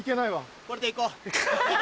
これで行こう！